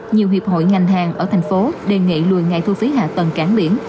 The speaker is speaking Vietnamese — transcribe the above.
nhiều hiệp hội ngành hàng ở thành phố đề nghị lùi ngày thu phí hạ tầng cảng biển